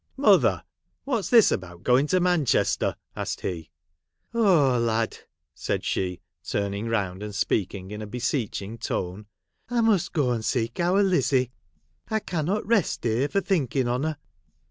' Mother ! what 's this about going to Man chester 1 ' asked he. ' Oh, lad !' said she, turning round, and speaking in a beseeching tone, ' I must go and seek our Lizzie. I cannot rest here for think ing on her.